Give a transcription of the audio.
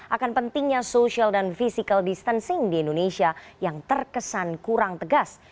akan pentingnya social dan physical distancing di indonesia yang terkesan kurang tegas